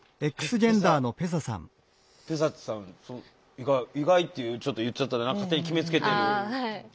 意外意外っていうちょっと言っちゃったら勝手に決めつけてる。